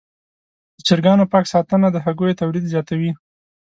د چرګانو پاک ساتنه د هګیو تولید زیاتوي.